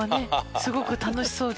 すごく楽しそうで。